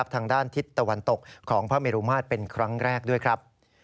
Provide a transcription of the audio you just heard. ทางด้านทิศตะวันตกของพระเมรุมาตรเป็นครั้งแรกด้วยครับ